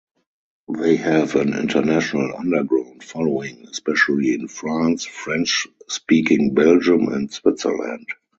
They have an international underground following, especially in France, French-speaking Belgium and Switzerland.